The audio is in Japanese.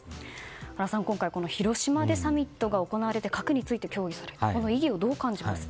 原さん、今回広島でサミットが行われ核について協議する意義をどう感じますか？